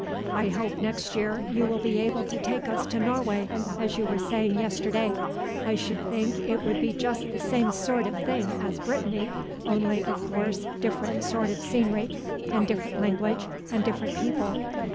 I hope next year you will be able to take us to Norway, as you were saying yesterday. I should think it would be just the same sort of thing as Brittany, only, of course, different sort of scenery, and different language and different people.